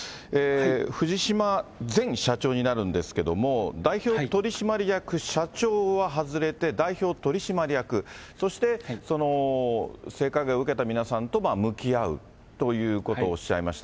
藤島前社長になるんですけども、代表取締役社長は外れて、代表取締役、そして性加害を受けた皆さんと向き合うということをおっしゃいました。